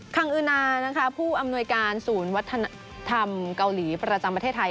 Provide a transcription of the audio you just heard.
ังอือนานะคะผู้อำนวยการศูนย์วัฒนธรรมเกาหลีประจำประเทศไทย